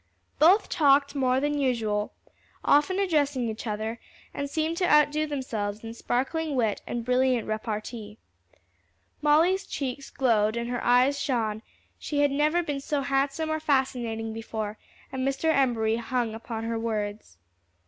Both talked more than usual, often addressing each other, and seemed to outdo themselves in sparkling wit and brilliant repartee. Molly's cheeks glowed and her eyes shone: she had never been so handsome or fascinating before, and Mr. Embury hung upon her words.